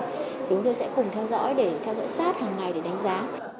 thì chúng tôi sẽ cùng theo dõi để theo dõi sát hàng ngày để đánh giá